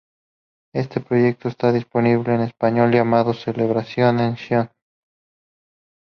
Este proyecto está disponible en español llamado: "Celebración En Sión".